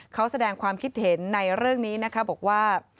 เขาแสดงความคิดเห็นในเรื่องนี้นะคะบอกว่า